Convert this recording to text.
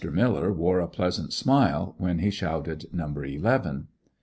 Miller wore a pleasant smile, when he shouted number eleven.